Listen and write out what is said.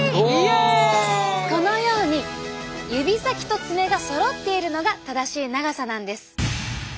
このように指先と爪がそろっているのが正しい長さなんです。